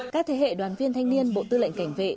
các thế hệ đoàn viên thanh niên bộ tư lệnh cảnh vệ